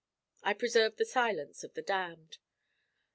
I preserved the silence of the damned.